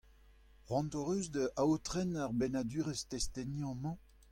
Cʼhoant hocʼh eus da aotren ar bennadurezh testeniañ-mañ ?